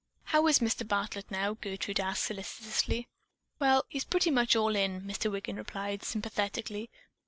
"How is Mr. Bartlett now?" Gertrude asked solicitously. "Well, he's pretty much all in," Mr. Wiggin replied sympathetically.